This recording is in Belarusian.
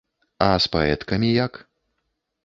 А з паэткамі як?